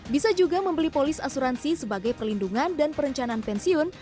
bisa juga membeli polis asuransi sebagai perlindungan dan perencanaan pensiun